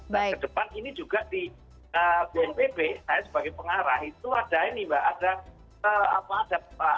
dan kedepan ini juga di bnpb saya sebagai pengarah itu ada ini mbak